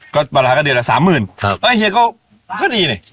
ก็ประมาณก็เดือนละสามหมื่นครับเอ้ยเฮียก็ก็ดีน่ะ